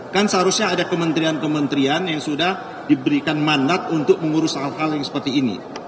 kan seharusnya ada kementerian kementerian yang sudah diberikan mandat untuk mengurus hal hal yang seperti ini